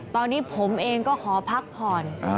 ตอนนี้ผมเองก็ขอพักผ่อน